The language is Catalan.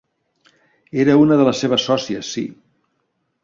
Era una de les seves sòcies, sí.